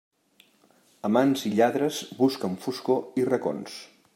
Amants i lladres busquen foscor i racons.